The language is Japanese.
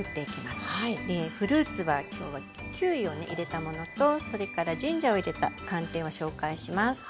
フルーツは今日はキウイをね入れたものとそれからジンジャーを入れた寒天を紹介します。